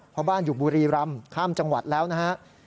เพราะบ้านอยู่บุรีรำข้ามจังหวัดแล้วนะฮะ